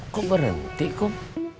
kok berhenti kum